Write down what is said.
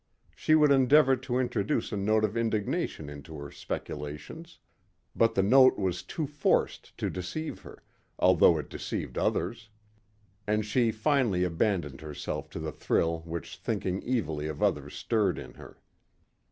She would endeavor to introduce a note of indignation into her speculations. But the note was too forced to deceive her, although it deceived others. And she finally abandoned herself to the thrill which thinking evilly of others stirred in her.